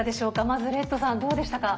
まずレッドさんどうでしたか？